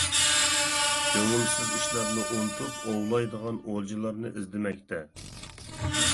كۆڭۈلسىز ئىشلارنى ئۇنتۇپ ئوۋلايدىغان ئولجىلارنى ئىزدىمەكتە.